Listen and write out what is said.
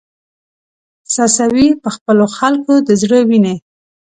څڅوې په خپلو خلکو د زړه وینې